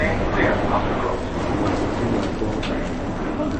Ngu mà kutu mù atôrô.